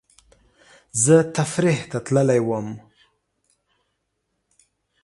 زه تفریح ته تللی وم